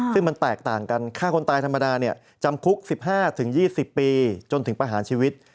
ซึ่งมันแตกต่างกันฆ่าคนตายธรรมดาจำคุก๑๕๒๐ปีจนถึงประหารชีวิต